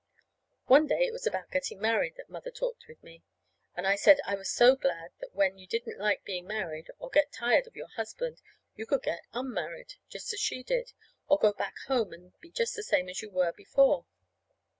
One day it was about getting married that Mother talked with me, and I said I was so glad that when you didn't like being married, or got tired of your husband, you could get _un_married, just as she did, and go back home and be just the same as you were before.